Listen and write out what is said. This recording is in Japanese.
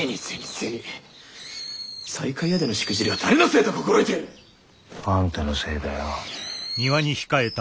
西海屋でのしくじりは誰のせいと心得ておる！？あんたのせいだよ。